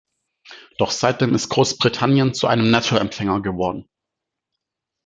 Doch seitdem ist Großbritannien zu einem Nettoempfänger geworden.